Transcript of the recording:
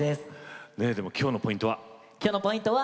今日のポイントは？